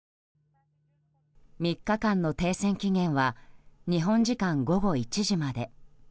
３日間の停戦期限は日本時間午後１時まで。